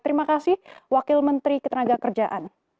terima kasih wakil menteri ketenaga kerjaan